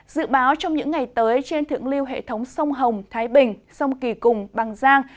dự báo trong những ngày tới trên thượng lưu hệ thống sông hồng thái bình sông kỳ cùng bằng giang